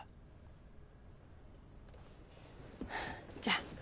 じゃあ。